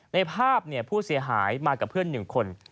ในภาพผู้เสียหายมากับเพื่อน๑คน